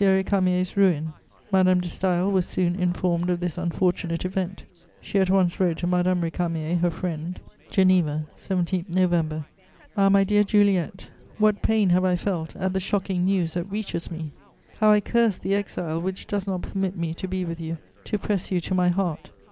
Récamier's ruin; Madame de Staël was soon informed of this unfortunate event. She at once wrote to Madame Récamier, her friend: [Sidenote: Letter from Madame de Staël.] "GENEVA, 17 November. "Ah, my dear Juliet, what pain have I felt at the shocking news that reaches me! How I curse the exile which does not permit me to be with you, to press you to my heart!